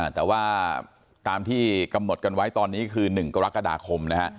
แต่ว่าตามที่กำหนดกันไว้ตอนนี้คือ๑กรกฎาคมนะฮะ